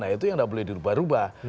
nah itu yang tidak boleh dirubah rubah